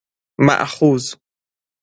مأخوذ